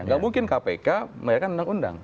nggak mungkin kpk menggunakan undang undang